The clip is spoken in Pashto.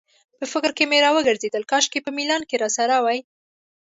په فکر کې مې راوګرځېدل، کاشکې په میلان کې راسره وای.